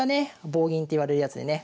棒銀っていわれるやつでね